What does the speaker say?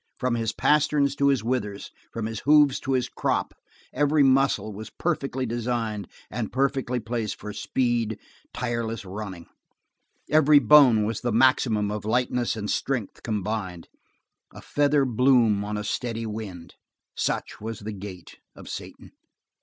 From his pasterns to his withers, from his hoofs to his croup every muscle was perfectly designed and perfectly placed for speed, tireless running; every bone was the maximum of lightness and strength combined. A feather bloom on a steady wind, such was the gait of Satan.